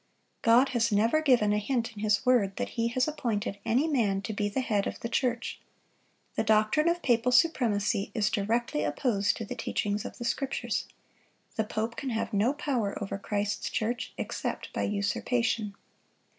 (72) God has never given a hint in His word that He has appointed any man to be the head of the church. The doctrine of papal supremacy is directly opposed to the teachings of the Scriptures. The pope can have no power over Christ's church except by usurpation.